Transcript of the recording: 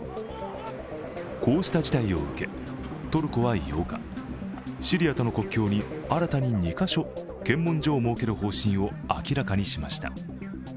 こうした事態を受け、トルコは８日、シリアとの国境に、新たに２か所、検問所を設ける方針を明らかにしました。